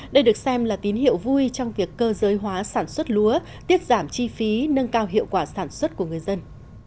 đây được xem là tín hiệu vui trong việc cơ giới hóa sản xuất lúa tiết giảm chi phí nâng cao hiệu quả sản xuất của người dân